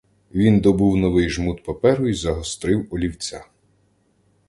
Він добув новий жмут паперу й загострив олівця.